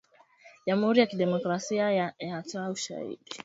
jamhuri ya kidemokrasia ya yatoa ushahidi